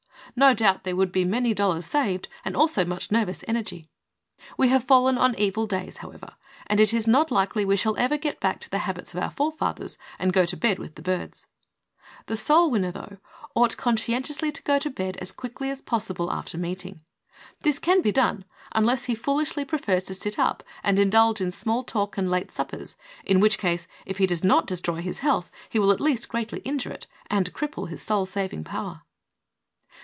No doubt there would be many dol lars saved and also much nervous energy. We have fallen on evil days, however, and it is not likely we shall ever get back to the habits of our forefathers and go to bed with the birds. The soul winner, though, ought conscientiously to go to bed as quick ly as possible after meeting. This can be done, unless he foolishly prefers to sit up and indulge in small talk and late suppers, in which case, if he does not destroy his health, he will at least greatly injure it and cripple his soul saving power.